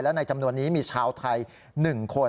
และในจำนวนนี้มีชาวไทย๑คน